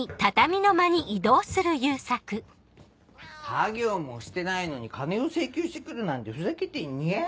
作業もしてないのに金を請求してくるなんてふざけてんニャ。